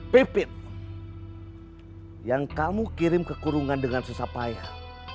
pipit yang kamu kirim kekurungan dengan susah payah